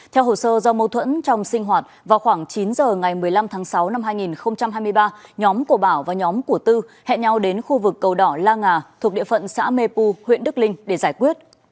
theo hồ sơ do mâu thuẫn trong sinh hoạt vào khoảng chín giờ ngày một mươi năm tháng sáu năm hai nghìn hai mươi ba nhóm của bảo và nhóm của tư hẹn nhau đến khu vực cầu đỏ la nga thuộc địa phận xã mê pu huyện đức linh để giải quyết